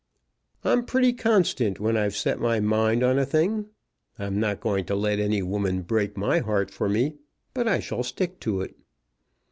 "I'm pretty constant when I've set my mind on a thing. I'm not going to let any woman break my heart for me, but I shall stick to it."